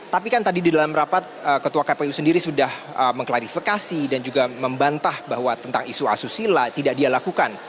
tapi kan tadi di dalam rapat ketua kpu sendiri sudah mengklarifikasi dan juga membantah bahwa tentang isu asusila tidak dia lakukan